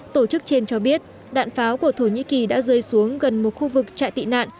tổ chức trên cho biết đạn pháo của thổ nhĩ kỳ đã rơi xuống gần một khu vực trại tị nạn